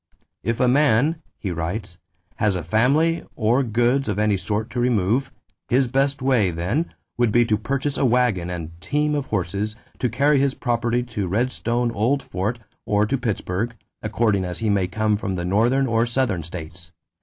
"If a man ..." he writes, "has a family or goods of any sort to remove, his best way, then, would be to purchase a waggon and team of horses to carry his property to Redstone Old Fort or to Pittsburgh, according as he may come from the Northern or Southern states.